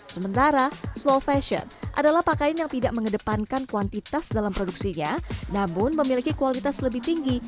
sementara slow fashion adalah pakaian yang tidak mengedepankan kuantitas dalam produksinya namun memiliki kualitas lebih tinggi